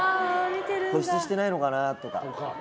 保湿してないのかなとか。